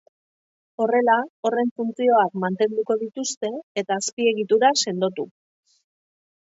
Horrela, horren funtzioak mantenduko dituzte eta azpiegitura sendotu.